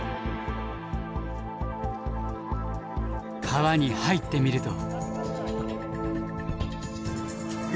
川に入ってみると。